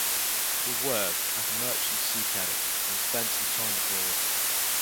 He worked as a merchant sea cadet and spent some time abroad.